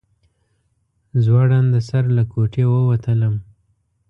زوړنده سر له کوټې ووتلم.